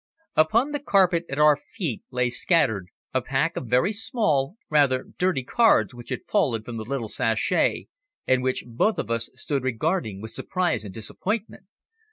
Upon the carpet at our feet lay scattered a pack of very small, rather dirty cards which had fallen from the little sachet, and which both of us stood regarding with surprise and disappointment.